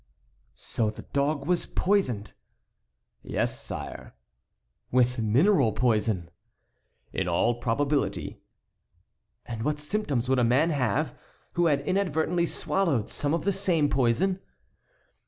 "So the dog was poisoned?" "Yes, sire." "With mineral poison?" "In all probability." "And what symptoms would a man have who had inadvertently swallowed some of the same poison?"